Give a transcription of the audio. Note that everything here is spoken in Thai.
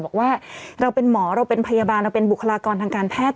บอกว่าเราเป็นหมอเราเป็นพยาบาลเราเป็นบุคลากรทางการแพทย์